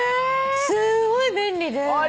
すごい便利で。